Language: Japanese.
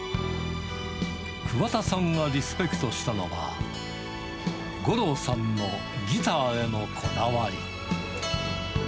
桑田さんがリスペクトしたのは、五郎さんのギターへのこだわり。